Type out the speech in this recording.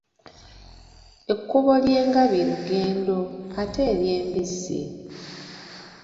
Ekkubo ly'engabi lugendo ate ery'embizzi?